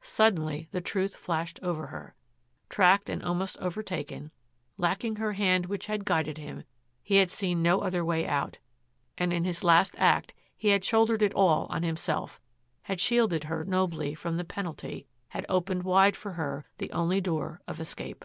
Suddenly the truth flashed over her. Tracked and almost overtaken, lacking her hand which had guided him, he had seen no other way out. And in his last act he had shouldered it all on himself, had shielded her nobly from the penalty, had opened wide for her the only door of escape.